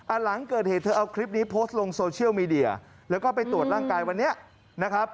หลังเกิดเหตุเธอเอาคลิปนี้โพสต์ลงโซเชียลมีเดียแล้วก็ไปตรวจร่างกายวันนี้นะครับ